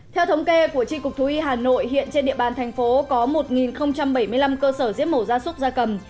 theo thống kê của tri cục thú y hà nội hiện trên địa bàn thành phố có một bảy mươi năm cơ sở giết mổ gia súc gia cầm